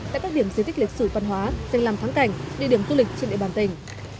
tại các điểm di tích lịch sử văn hóa danh làm thắng cảnh địa điểm du lịch trên địa bàn tỉnh